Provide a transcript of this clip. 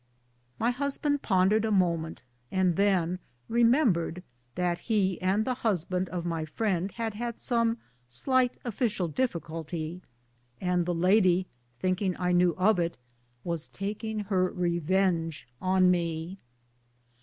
My husband pondered a moment, and then remembered that the husband of my friend and he had had some slight offi cial difficulty, and the lady thinking I knew of it was taking her revenge on me.